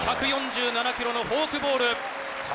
１４７キロのフォークボール。